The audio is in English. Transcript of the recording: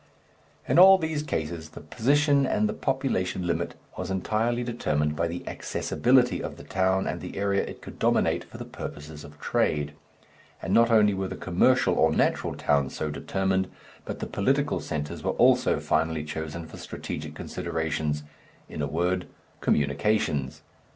In all these cases the position and the population limit was entirely determined by the accessibility of the town and the area it could dominate for the purposes of trade. And not only were the commercial or natural towns so determined, but the political centres were also finally chosen for strategic considerations, in a word communications.